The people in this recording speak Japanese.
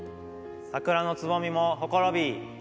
「桜のつぼみもほころび」。